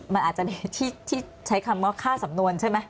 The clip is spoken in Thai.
มันอาจจะมีที่ใช้คำว่าค่าสำนวนใช่ไหม